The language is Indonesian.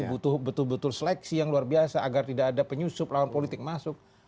butuh betul betul seleksi yang luar biasa agar tidak ada penyusup lawan politik masuk